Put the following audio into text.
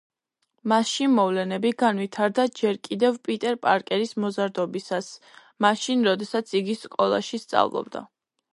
მასში მოვლენები განვითარდება ჯერ კიდევ პიტერ პარკერის მოზარდობისას, მაშინ, როდესაც იგი სკოლაში სწავლობდა.